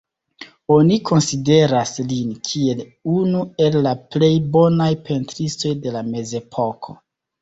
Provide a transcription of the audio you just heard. Oni konsideras lin kiel unu el la plej bonaj pentristoj de la mezepoko.